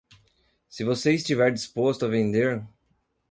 Se você estiver disposto a vender